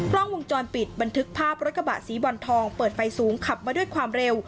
กล้องวงจรปิดบันทึกภาพรถกระบะสีบอลทองเปิดไฟสูงขับมาด้วยความเร็ว